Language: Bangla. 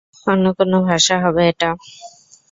অন্য কোন ভাষা হবে এটা!